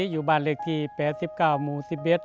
อยู่บรรลิกที่๘๙หมู๑๑